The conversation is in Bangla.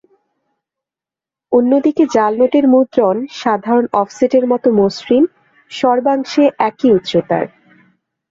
অন্যদিকে জাল নোটের মুদ্রণ সাধারণ অফসেটের মতো মসৃণ, সর্বাংশে একই উচ্চতার।